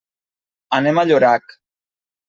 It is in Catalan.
Anem a Llorac.